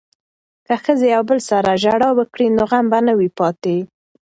که ښځې یو بل سره ژړا وکړي نو غم به نه وي پاتې.